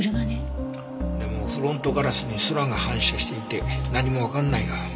でもフロントガラスに空が反射していて何もわからないよ。